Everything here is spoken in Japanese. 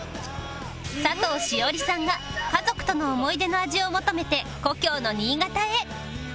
佐藤栞里さんが家族との思い出の味を求めて故郷の新潟へ